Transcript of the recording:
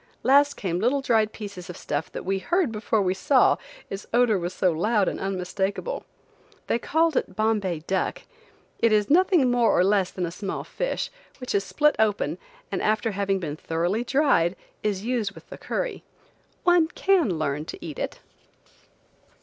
Last came little dried pieces of stuff that we heard before we saw, its odor was so loud and unmistakable. They called it Bombay duck. It is nothing more or less than a small fish, which is split open, and after being thoroughly dried, is used with the curry. One can learn to eat it.